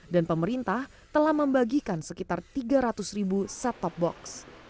dan pemerintah telah membagikan sekitar tiga ratus ribu set top box